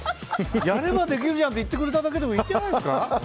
やればできるじゃんって言ってくれただけでもいいじゃないですか。